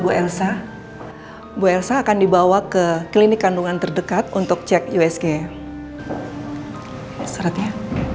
bu elsa bu elsa akan dibawa ke klinik kandungan terdekat untuk cek usg seratnya